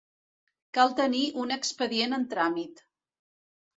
Cal tenir un expedient en tràmit.